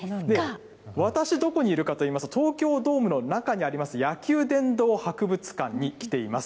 私、どこにいるかといいますと、東京ドームの中にあります、野球殿堂博物館に来ています。